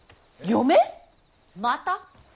また？